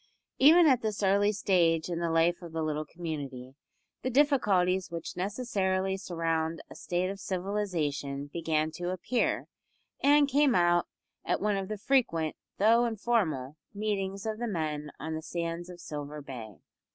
Even at this early stage in the life of the little community the difficulties which necessarily surround a state of civilisation began to appear, and came out at one of the frequent, though informal, meetings of the men on the sands of Silver Bay.